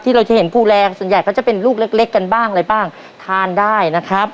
เราจะเห็นปูแรงส่วนใหญ่ก็จะเป็นลูกเล็กเล็กกันบ้างอะไรบ้างทานได้นะครับ